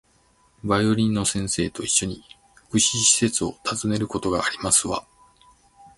バイオリンの先生と一緒に、福祉施設を訪ねることがありますわ